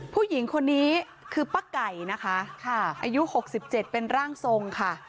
ผู้หญิงคนนี้คือป้าไก่นะคะอายุ๖๗เป็นร่างทรงค่ะ